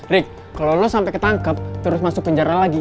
rick kalo lo sampe ketangkep terus masuk penjara lagi